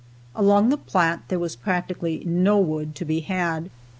Along the Platte there was practically no wood to be had.